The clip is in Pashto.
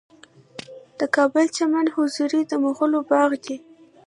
د کابل چمن حضوري د مغلو باغ دی